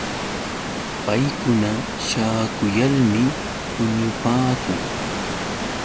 Paykuna śhaakuyalmi puñupaakun.